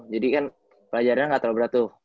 jadi kan pelajarnya gak terlalu berat tuh